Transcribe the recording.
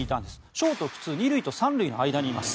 ショート普通、２塁と３塁の間にいます。